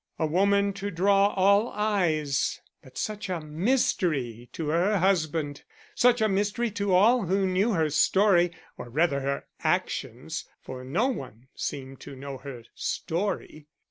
A woman to draw all eyes, but such a mystery to her husband! Such a mystery to all who knew her story, or rather her actions, for no one seemed to know her story.